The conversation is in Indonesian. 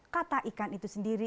kata ikan itu sendiri